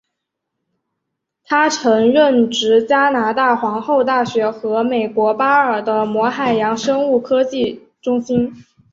他曾任职加拿大皇后大学和美国巴尔的摩海洋生物科技中心。